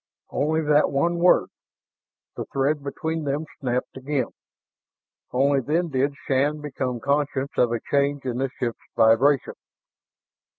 Only that one word! The thread between them snapped again. Only then did Shann become conscious of a change in the ship's vibration.